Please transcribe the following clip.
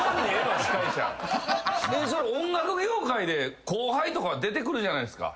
音楽業界で後輩とか出てくるじゃないすか。